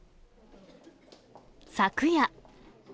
昨夜。